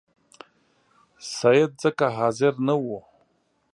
سید ځکه حاضر نه وو.